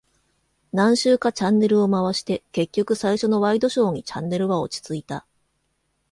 何周かチャンネルを回して、結局最初のワイドショーにチャンネルは落ち着いた。